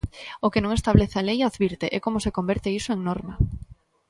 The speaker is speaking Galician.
O que non estabelece a lei, advirte, é como se converte iso en norma.